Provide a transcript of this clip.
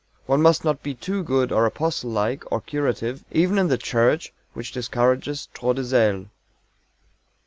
One must not be too good or Apostle like or curative even in the Church, which discourages trop de zéle.